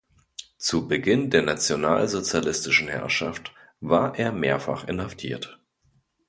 Zu Beginn der nationalsozialistischen Herrschaft war er mehrfach inhaftiert.